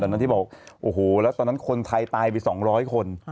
นั้นที่บอกโอ้โหแล้วตอนนั้นคนไทยตายไป๒๐๐คน